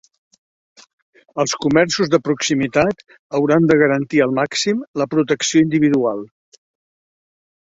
Els comerços de proximitat hauran de garantir al màxim la protecció individual.